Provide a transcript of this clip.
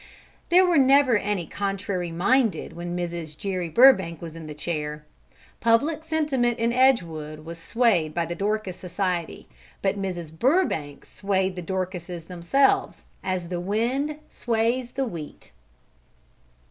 There never were any contrary minded when Mrs. Jere Burbank was in the chair. Public sentiment in Edgewood was swayed by the Dorcas Society, but Mrs. Burbank swayed the Dorcases themselves as the wind sways the wheat.